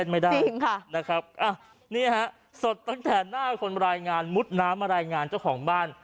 เออจริงค่ะนี่ฮะสดตั้งแต่หน้าคนมารายงานมุดน้ำมารายงานเจ้าของบ้าน